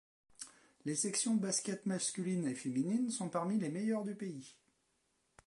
Les sections basket-ball masculine et féminine sont parmi les meilleures du pays.